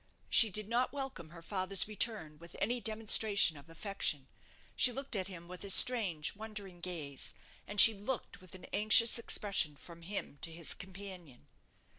She did not welcome her father's return with any demonstration of affection; she looked at him with a strange, wondering gaze; and she looked with an anxious expression from him to his companion.